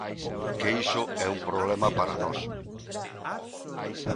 ¿Que iso é un problema para nós?